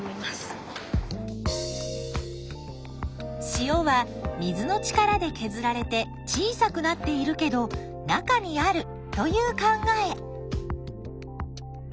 塩は水の力でけずられて小さくなっているけど中にあるという考え。